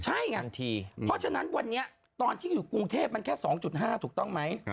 ใช่ไงเพราะฉะนั้นวันนี้ตอนที่อยู่กรุงเทพมันแค่๒๕ถูกต้องไหม